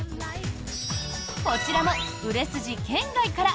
こちらも売れ筋圏外から。